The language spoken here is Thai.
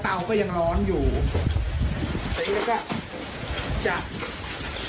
แต่วันนี้ก็จะ